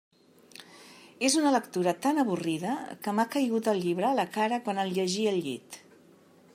És una lectura tan avorrida que m'ha caigut el llibre a la cara quan el llegia al llit.